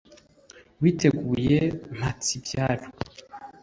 Uwateguriye Mpatsibyaro*